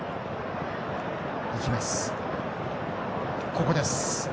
ここです。